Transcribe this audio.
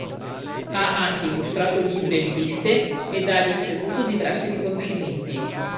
Ha anche illustrato libri e riviste, ed ha ricevuto diversi riconoscimenti.